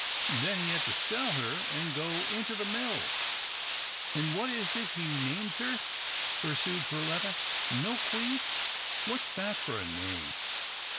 Then he had to sell her, and go into the mill." "An' what is it he names her?" pursued Per letta. "Milkweed — what's that for a name?"